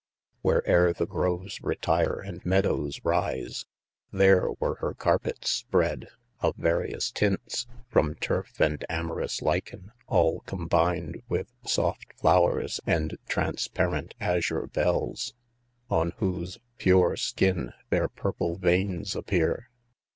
Where'er the groves retire and meadows rise. There were her carpets spread, of various tints From turf and amorous lichen, all combined With soft flowers and transparent azure bells. On whose pure skin their purple veins appear.